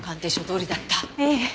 ええ。